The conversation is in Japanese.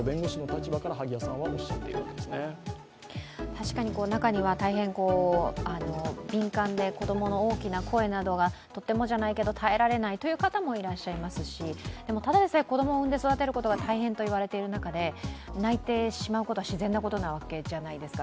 確かに中には大変敏感で子供の大きな声などがとてもじゃないけど耐えられないという方もいらっしゃいますしただでさえ子供を産んで育てることが大変と言われている中で、泣いてしまうことは自然なことじゃないですか。